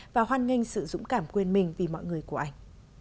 và hoan nghênh sự dũng cảm quên mình vì mọi người của anh